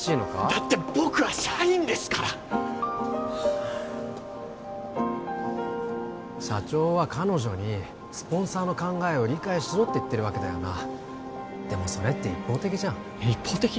だって僕は社員ですから！社長は彼女にスポンサーの考えを理解しろって言ってるわけだよなでもそれって一方的じゃん一方的？